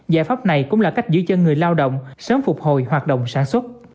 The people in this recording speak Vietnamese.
giải pháp này cũng là cách giữ chân người lao động sớm phục hồi hoạt động sản xuất